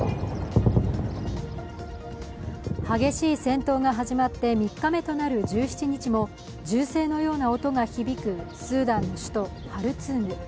激しい戦闘が始まって３日目となる１７日も銃声のような音が響くスーダンの首都ハルツーム。